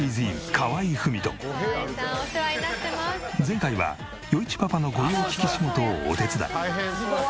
前回は余一パパの御用聞き仕事をお手伝い。